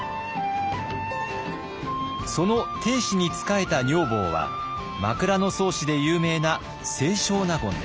その定子に仕えた女房は「枕草子」で有名な清少納言です。